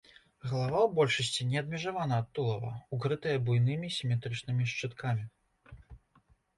Галава ў большасці не адмежавана ад тулава, укрытая буйнымі сіметрычнымі шчыткамі.